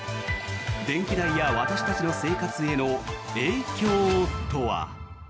電気代や私たちの生活への影響とは。